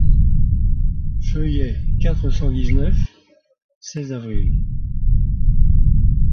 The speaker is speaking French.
Feuillet quatre cent dix-neuf : seize avril.